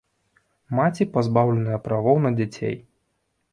Маці пазбаўленая правоў на дзяцей.